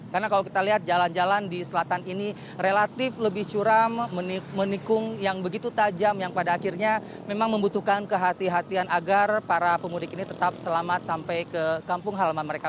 karena kalau kita lihat jalan jalan di selatan ini relatif lebih curam menikung yang begitu tajam yang pada akhirnya memang membutuhkan kehatian agar para pemudik ini tetap selamat sampai ke kampung halaman mereka